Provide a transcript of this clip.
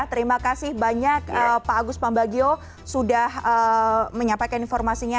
terima kasih banyak pak agus pambagio sudah menyampaikan informasinya